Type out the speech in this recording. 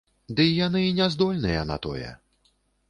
Дый яны і не здольныя на тое!